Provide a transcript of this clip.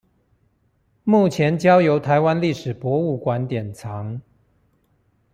目前交由臺灣歷史博物館典藏